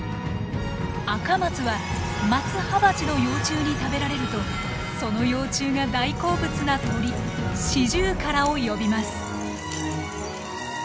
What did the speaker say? アカマツはマツハバチの幼虫に食べられるとその幼虫が大好物な鳥シジュウカラを呼びます。